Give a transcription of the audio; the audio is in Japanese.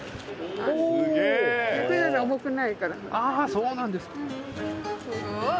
そうなんですか。